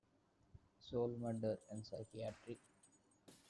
Soul Murder and Psychiatry.